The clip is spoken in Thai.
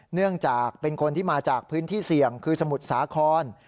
เนื่องจากเป็นคนที่มาจากพื้นที่เสี่ยงคือสมุทรสาคร